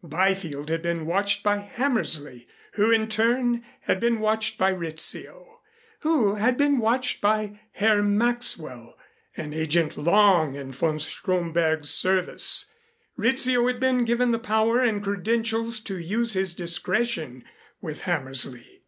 Byfield had been watched by Hammersley, who in turn had been watched by Rizzio, who had been watched by Herr Maxwell, an agent long in von Stromberg's service. Rizzio had been given the power and credentials to use his discretion with Hammersley.